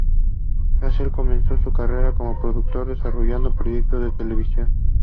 Grazer comenzó su carrera como productor desarrollando proyectos de televisión.